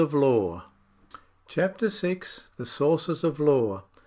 States CHAPTER VI. THE SOURCES OF LAW.